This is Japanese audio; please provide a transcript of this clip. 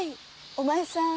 お前さん